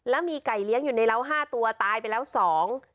แล้วมีไก่เลี้ยงอยู่ในเล้า๕ตัวตายไก่เลี้ยงไปแล้ว๒